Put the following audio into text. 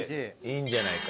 いいんじゃないか？